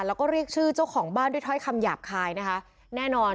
แล้วก็เรียกชื่อเจ้าของบ้านด้วยถ้อยคำหยาบคายนะคะแน่นอน